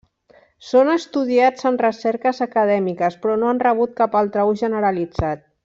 Són estudiats en recerques acadèmiques, però no han rebut cap altre ús generalitzat.